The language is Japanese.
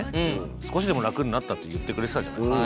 少しでも楽になったって言ってくれてたじゃないですか。